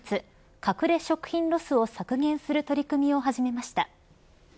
隠れ食品ロスを削減する取り組みを始めました。